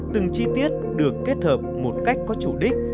từng chi tiết được kết hợp một cách có chủ đích